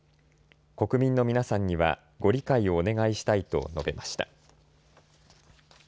国民の皆さんにはご理解をお願いしたいと述べました。